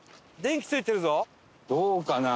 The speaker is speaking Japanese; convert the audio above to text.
どうかな？